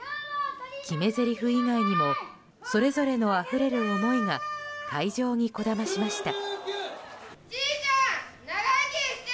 決めぜりふ以外にもそれぞれのあふれる思いが会場にこだましました。